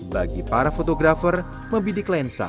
bagi para fotografer membidik lensa